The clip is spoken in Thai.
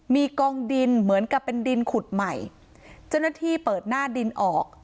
มีกองดินเหมือนกับเป็นดินขุดใหม่เจ้าหน้าที่เปิดหน้าดินออก